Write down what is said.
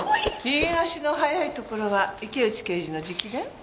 逃げ足の速いところは池内刑事の直伝？